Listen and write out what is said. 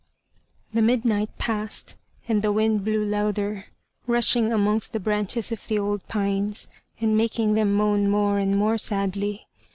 The midnight passed, and the wind blew louder, rushing amongst the branches of the old pines, and making them moan more and more sadly.